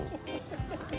kau gak paham